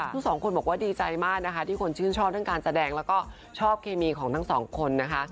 ทุกคนบอกว่าดีใจมากนะคะที่คนชื่นชอบทั้งการแสดงแล้วก็ชอบเคมีของทั้งสองคนนะคะ